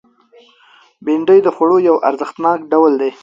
بېنډۍ د خوړو یو ارزښتناک ډول دی